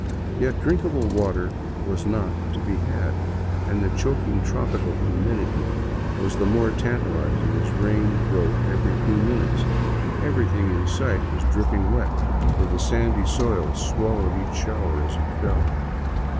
Yet drinkable water was not to be had, and the choking tropical humidity was the more tantalizing as rain broke every few minutes, and everything in sight was dripping wet, though the sandy soil swallowed each shower as it fell.